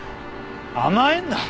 甘えんな！